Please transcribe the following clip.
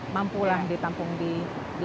mampu lah ditampung di